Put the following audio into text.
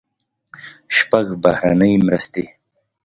شپږم: بهرنۍ مرستې.